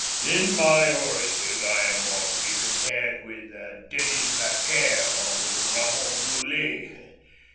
"In my origin I am more to be compared with Denis Zachaire or with Raymond Lully.